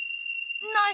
ない！